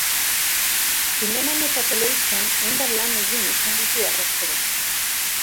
Zineman eta telebistan hainbat lan egin izan ditu harrezkero.